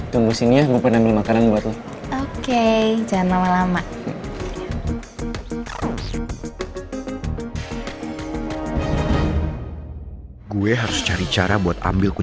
tunggu sini ya gua pengen ambil makanan buat lu